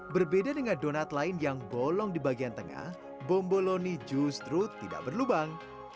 berbeda dengan donat lain yang bolong di bagian tengah bomboloni justru tidak berlubang